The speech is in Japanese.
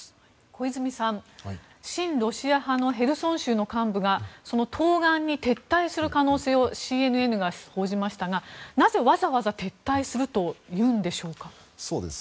小泉さん親ロシア派のヘルソン州の幹部が東岸に撤退する可能性をＣＮＮが報じましたがなぜ、わざわざ撤退すると言うんでしょうか？